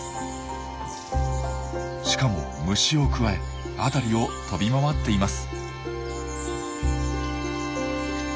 しかも虫をくわえ辺りを飛び回っています。